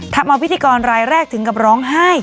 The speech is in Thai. ทำเอาพิธีกรรายแรกถึงกับร้องไห้